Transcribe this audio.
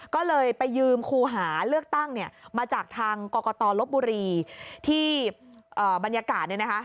ก็เลยไปยืมคู่หาเลือกตั้งเนี่ยมาจากทางกตลบบุรีที่บรรยากาศเนี่ยนะคะ